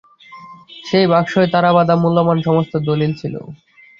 সেই বাক্সয় তাড়াবাঁধা মূল্যমান সমস্ত দলিল ছিল।